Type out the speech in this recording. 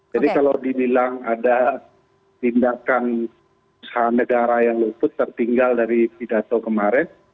jadi kalau dibilang ada tindakan negara yang luput tertinggal dari pidato kemarin